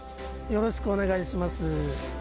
よろしくお願いします。